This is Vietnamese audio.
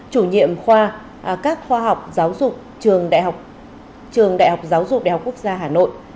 chủ nhiệm các khoa học giáo dục trường đại học giáo dục đại học quốc gia hà nội